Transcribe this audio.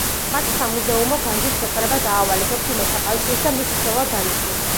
მათ სამუზეუმო განძის შეკრება დაავალეს ექვთიმე თაყაიშვილს და მის მცველად დანიშნეს.